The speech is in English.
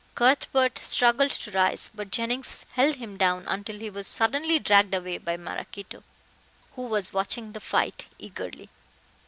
Cuthbert struggled to rise, but Jennings held him down until he was suddenly dragged away by Maraquito, who was watching the fight eagerly.